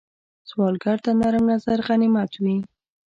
سوالګر ته نرم نظر غنیمت وي